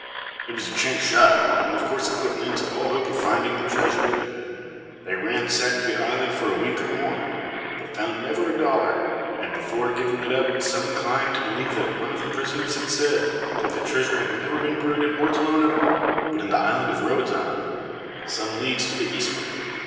It was a chance shot, and of course it put an end to all hope of finding the treasure. They ransacked the island for a week or more, but found never a dollar; and before giving it up some inclined to believe what one of the prisoners had said, that the treasure had never been buried in Mortallone at all, but in the island of Roatan, some leagues to the eastward.